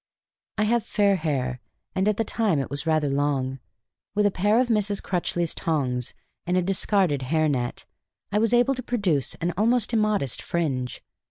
I have fair hair, and at the time it was rather long. With a pair of Mrs. Crutchley's tongs and a discarded hair net, I was able to produce an almost immodest fringe.